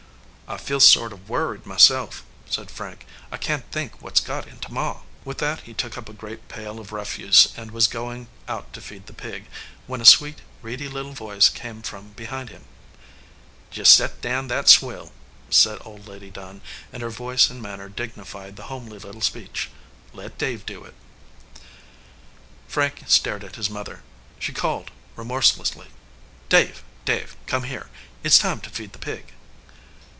"I feel sort of worried myself," said Frank. "I can t think what s got into Ma." With that he took up a great pail of refuse and was going out to feed the pig, when a sweet, reedy little voice came from behind him. "Just set down that swill," said Old Lady Dunn, and her voice and manner dignified the homely lit tle speech. "Let Dave do it." 310 "A RETREAT TO THE GOAL" Frank stared at his mother. She called, remorse lessly : "Dave, Dave, come here. It s time to feed the pig."